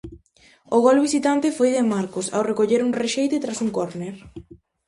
O gol visitante foi de Marcos ao recoller un rexeite tras un córner.